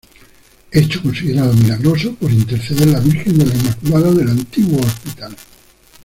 Hecho considerado milagroso por interceder la virgen de la Inmaculada del antiguo hospital.